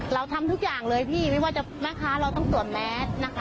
เราทำทุกอย่างเลยพี่ไม่ว่าจะแม่ค้าเราต้องตรวจแมสนะคะ